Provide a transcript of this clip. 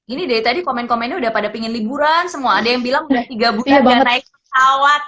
ini dari tadi komen komennya udah pada pengen liburan semua ada yang bilang udah tiga bulan udah naik pesawat